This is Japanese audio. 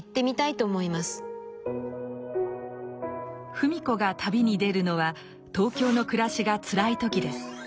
芙美子が旅に出るのは東京の暮らしがつらい時です。